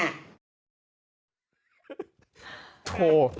โถ่